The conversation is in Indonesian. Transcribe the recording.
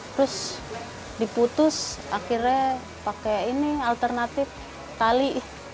terus diputus akhirnya pakai ini alternatif tali